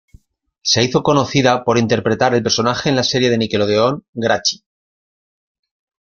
Se hizo conocida por interpretar el personaje de en la serie de Nickelodeon "Grachi".